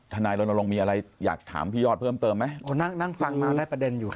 นายรณรงค์มีอะไรอยากถามพี่ยอดเพิ่มเติมไหมโอ้นั่งนั่งฟังมาได้ประเด็นอยู่ค่ะ